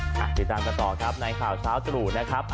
ติดตามกันต่อครับในข่าวเช้าตรู่นะครับ